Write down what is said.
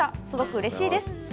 すごくうれしいです。